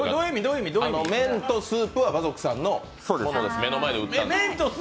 麺とスープは馬賊さんのものです。